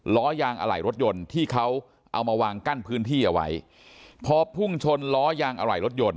ล้อยางอะไหล่รถยนต์ที่เขาเอามาวางกั้นพื้นที่เอาไว้พอพุ่งชนล้อยางอะไหล่รถยนต์